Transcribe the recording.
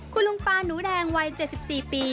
คุณลุงปาหนูแดงวัย๗๔ปี